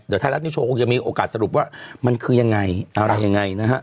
เดี๋ยวไทยรัฐนิวโชว์คงจะมีโอกาสสรุปว่ามันคือยังไงอะไรยังไงนะฮะ